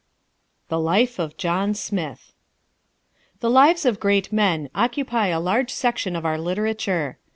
The Life of John Smith The lives of great men occupy a large section of our literature.